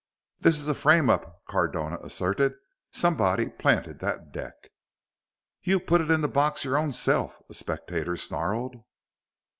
"This is a frame up!" Cardona asserted. "Somebody planted that deck!" "You put it in the box your own self," a spectator snarled.